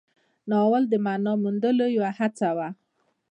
ناول د معنا موندنې یوه هڅه وه.